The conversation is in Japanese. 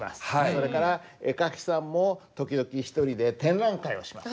それから絵描きさんも時々１人で展覧会をします。